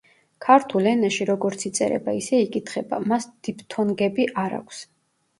ქართულ ენაში როგორც იწერება, ისე იკითხება, მას დიფთონგები არ აქვს.